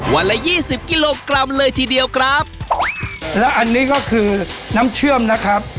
ละยี่สิบกิโลกรัมเลยทีเดียวครับแล้วอันนี้ก็คือน้ำเชื่อมนะครับ